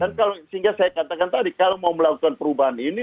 dan kalau sehingga saya katakan tadi kalau mau melakukan perubahan ini